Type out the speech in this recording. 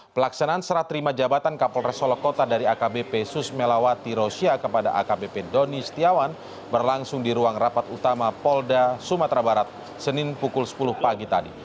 pelaksanaan serah terima jabatan kapolres solokota dari akbp susmelawati rosia kepada akbp doni setiawan berlangsung di ruang rapat utama polda sumatera barat senin pukul sepuluh pagi tadi